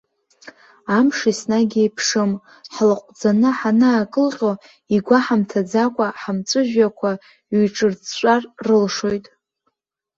Амш енагь еиԥшым, ҳлаҟәӡаны ҳанаакылҟьо, игәаҳамҭаӡакәа ҳамҵәыжәҩақәа ҩҿырҵәҵәар рылшоит.